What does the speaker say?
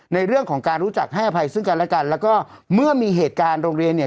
ในเรื่องของการรู้จักให้อภัยซึ่งกันและกันแล้วก็เมื่อมีเหตุการณ์โรงเรียนเนี่ย